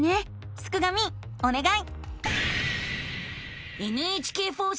すくがミおねがい！